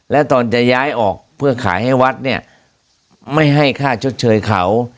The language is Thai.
แล้วตอนจะย้ายออกเพื่อขายให้วัดเนี่ยไม่ให้ค่าชดเชยเขา